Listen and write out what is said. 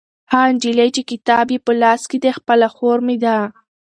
هغه نجلۍ چې کتاب یې په لاس کې دی خپله خور مې ده.